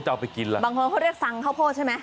บางคนเขาเรียกสังข้าวโพดใช่ไหม